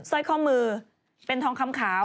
สร้อยข้อมือเป็นทองคำขาว